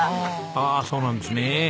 ああそうなんですねえ。